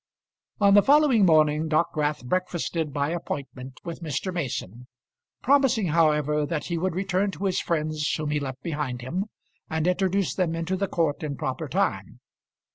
On the following morning Dockwrath breakfasted by appointment with Mr. Mason, promising, however, that he would return to his friends whom he left behind him, and introduce them into the court in proper time.